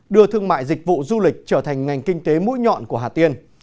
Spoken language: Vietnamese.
đưa thương mại dịch vụ du lịch trở thành ngành kinh tế mũi nhọn của hà tiên